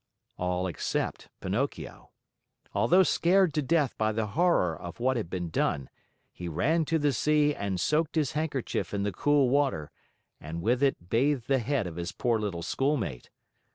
All except Pinocchio. Although scared to death by the horror of what had been done, he ran to the sea and soaked his handkerchief in the cool water and with it bathed the head of his poor little schoolmate.